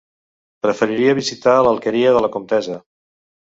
Preferiria visitar l'Alqueria de la Comtessa.